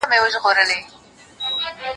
تا چي ول بالا به قلم کار کوي باره رنګ يې خلاص و